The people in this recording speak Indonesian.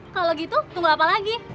kalau gitu tunggu apa lagi